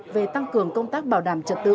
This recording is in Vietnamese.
về tăng cường công tác bảo đảm trật tự